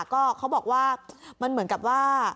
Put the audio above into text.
ก็เขาบอกว่ามันเหมือนกับว่า